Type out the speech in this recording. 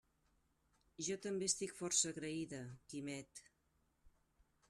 Jo també estic força agraïda, Quimet.